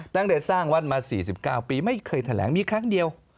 ตั้งแต่สร้างวัดมา๔๙ปีไม่เคยแถลงมีครั้งเดียว